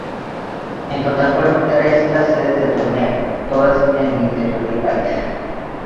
En total fueron tres las sedes del torneo, todas en el interior del país.